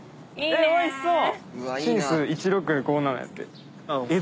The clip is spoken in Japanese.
おいしそう！